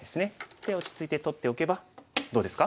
で落ち着いて取っておけばどうですか？